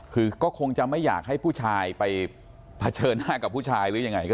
คือก็คงจะไม่อยากให้ผู้ชายไปเผชิญหน้ากับผู้ชายหรือยังไง